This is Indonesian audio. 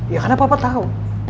ya karena papa tau